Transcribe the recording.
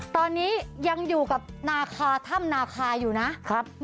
ตอนนี้ยังอยู่กับนาคาถ้ำนาคาอยู่นะครับ